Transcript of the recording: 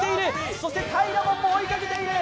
そして、たいらもんも追いかけている。